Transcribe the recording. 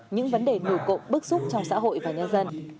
những vấn đề nổi cộng bức xúc trong xã hội và nhân dân